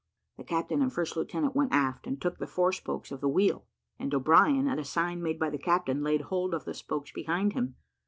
The captain and first lieutenant went aft, and took the forespokes of the wheel, and O'Brien, at a sign made by the captain, laid hold of the spokes behind him.